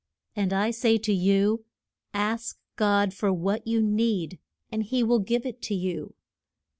And I say to you, Ask God for what you need and he will give it to you.